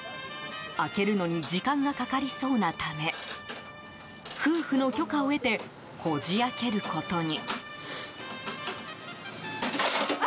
開けるのに時間がかかりそうなため夫婦の許可を得てこじ開けることに。